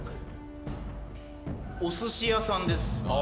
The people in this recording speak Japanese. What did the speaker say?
お寿司屋さんです